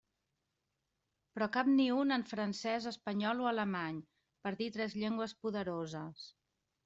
Però cap ni un en francès, espanyol o alemany, per dir tres llengües poderoses.